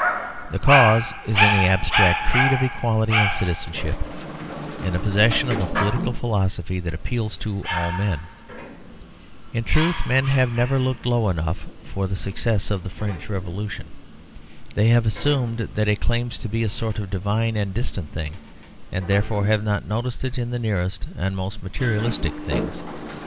The cause is in the abstract creed of equality and citizenship; in the possession of a political philosophy that appeals to all men. In truth men have never looked low enough for the success of the French Revolution. They have assumed that it claims to be a sort of divine and distant thing, and therefore have not noticed it in the nearest and most materialistic things.